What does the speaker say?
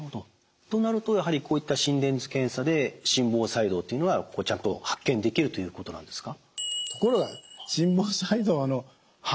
となるとやはりこういった心電図検査で心房細動というのはちゃんと発見できるということなんですか？